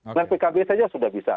dengan pkb saja sudah bisa